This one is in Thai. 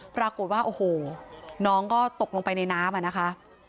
ปรากฏว่าโอ้โหน้องก็ตกลงไปในน้ำอะนะคะ